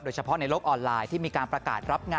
เฉพาะในโลกออนไลน์ที่มีการประกาศรับงาน